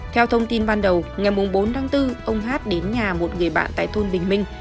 theo thông tin ban đầu ngày bốn tháng bốn ông hát đến nhà một người bạn tại thôn bình minh